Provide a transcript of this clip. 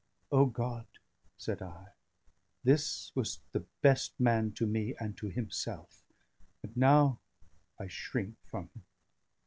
"O God," said I, "this was the best man to me and to himself, and now I shrink from him.